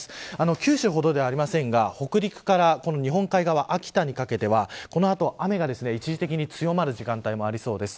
九州ほどではありませんが北陸から日本海側秋田にかけては、この後雨が一時的に強まる時間帯もありそうです。